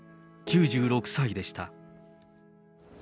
９６歳でした。